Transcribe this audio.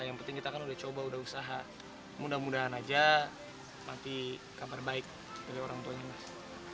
yang penting kita kan udah coba udah usaha mudah mudahan aja nanti kabar baik dari orang tuanya mas